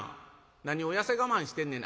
「何を痩せ我慢してんねん。